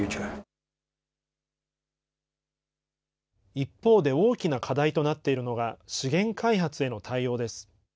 一方で大きな課題となっているのが、資源開発への対応です。